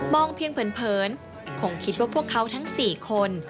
เพียงเผินคงคิดว่าพวกเขาทั้ง๔คน